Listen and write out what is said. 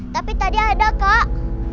tapi tadi ada kak